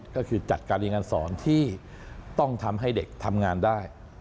ก็คือจัดการเรียนการสอนที่ต้องทำให้เด็กทำงานได้